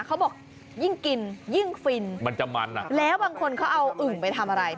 เขาบอกยิ่งกินยิ่งฟินมันจะมันอ่ะแล้วบางคนเขาเอาอึ่งไปทำอะไร